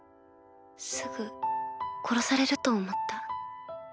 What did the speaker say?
すぐ殺されると思った。